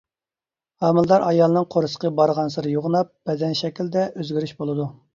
ھامىلىدار ئايالنىڭ قورسىقى بارغانسېرى يوغىناپ، بەدەن شەكلىدە ئۆزگىرىش بولىدۇ.